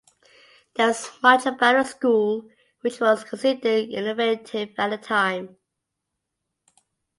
There was much about the school which was considered innovative at the time.